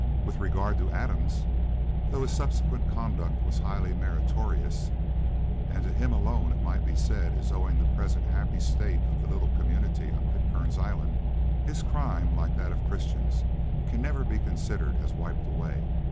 With regard to Adams, though his subsequent conduct was highly meritorious, and to him alone it might be said is owing the present happy state of the little community on Pitcairn's Island, his crime like that of Christian's can never be considered as wiped away.